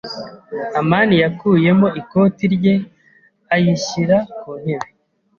amani yakuyemo ikoti rye ayishyira ku ntebe.